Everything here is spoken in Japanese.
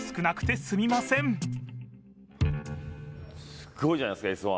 すごいじゃないですか、「Ｓ☆１」